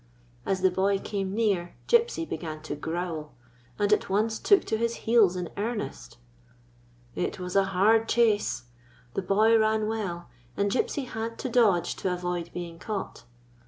As the boy came near Gypsy began to growl, and at once took to his heels in earnest. It was a hard chase. The boy ran well, and Gypsy had to dodge to avoid being caught.